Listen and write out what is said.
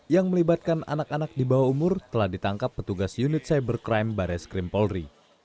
yang melibatkan anak anak di bawah umur telah ditangkap petugas unit cybercrime bares krim polri